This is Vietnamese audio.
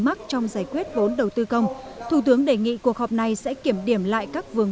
mắc trong giải quyết vốn đầu tư công thủ tướng đề nghị cuộc họp này sẽ kiểm điểm lại các vướng